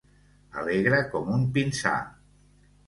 Alegre com un pinsà.